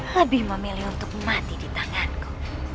lebih memilih untuk mati di tanganku